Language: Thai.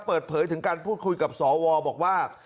เปิดเผยถึงการพูดคุยกับสวบอกว่า